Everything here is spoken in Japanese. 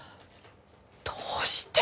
どうして。